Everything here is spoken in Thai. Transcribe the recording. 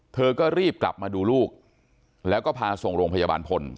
เธอก็รีบกลับมาดูลูกแล้วก็พาส่งโรงพยาบาลพล